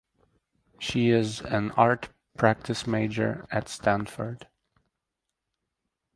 She is an art practice major at Stanford.